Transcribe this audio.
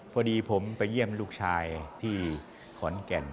พอดีผมไปเยี่ยมลูกชายที่ขอนแก่น